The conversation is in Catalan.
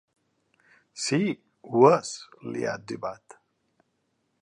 Sí, ho és, li ha etzibat.